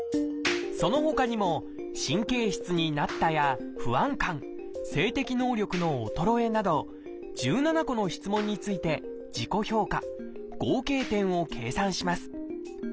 そのほかにも「神経質になった」や「不安感」「性的能力の衰え」など１７個の質問について自己評価合計点を計算します。